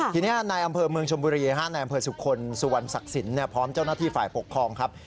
ทีนี้ในอำเภอเมืองชมบุรีในอำเภอสุขลสุวรรณศักดิ์สินพร้อมเจ้าหน้าที่ฝ่ายปกครองครับ